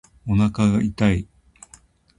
おなか痛い